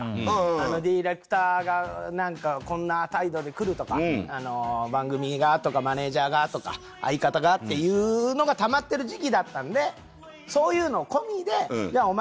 あのディレクターが何かこんな態度でくるとかあの番組がとかマネージャーがとか相方がっていうのがたまってる時期だったんでそういうの込みでじゃあお前